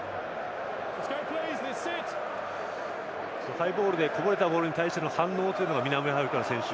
ハイボールでこぼれたボールに対しての対応が南アフリカの選手